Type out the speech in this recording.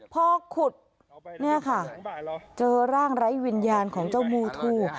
พอขุดเนี่ยค่ะเจอร่างไร้วิญญาณของเจ้ามูทู่